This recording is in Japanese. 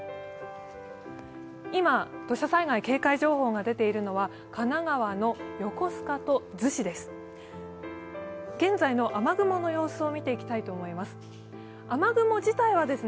今、土砂災害警戒情報が出ているのは神奈川の横須賀と逗子です。